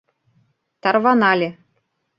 Тарванале